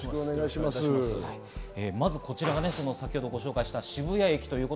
まずこちらが先ほどご紹介した渋谷駅です。